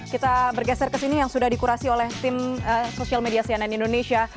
kita bergeser ke sini yang sudah dikurasi oleh tim sosial media cnn indonesia